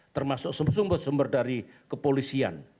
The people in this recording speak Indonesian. termasuk sumber sumber dari kepolisian